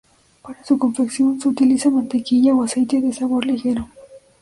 Para su confección, se utiliza mantequilla o aceites de sabor ligero.